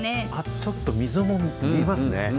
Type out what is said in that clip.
ちょっと溝も見えますね。